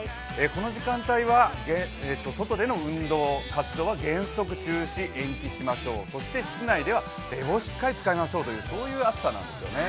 この時間帯は外での運動・活動は原則中止、延期しましょう、そして室内では冷房をしっかり使いましょうという暑さなんですよね。